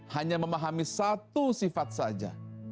hanya memahami satu sifat saja